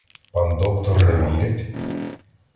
Пан доктор не вірять?